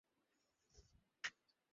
এখনো মনের মধ্যে কোনো জবাব পাচ্ছে না।